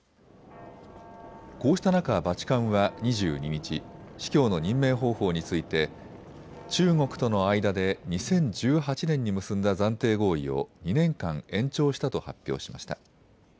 こうした中、バチカンは２２日、司教の任命方法について中国との間で２０１８年に結んだ暫定合意を２年間、延長したと発表しました。